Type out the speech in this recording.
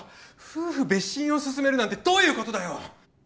夫婦別寝をすすめるなんてどういうことだよ！